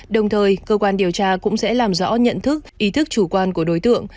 đồng thời cơ quan điều tra cũng sẽ làm rõ nhận thức ý thức chủ quan của đối tượng